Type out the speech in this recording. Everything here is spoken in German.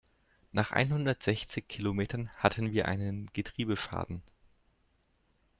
Nach einhundertsechzig Kilometern hatten wir einen Getriebeschaden.